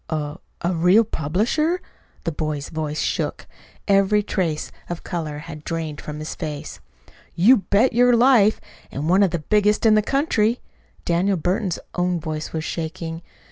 "A a real publisher?" The boy's voice shook. Every trace of color had drained from his face. "You bet your life and one of the biggest in the country." Daniel Burton's own voice was shaking.